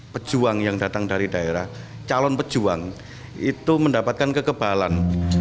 pejuang yang datang dari daerah calon pejuang itu mendapatkan kekebalan